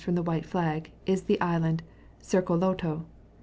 from the white flag is the Island Serkoloto.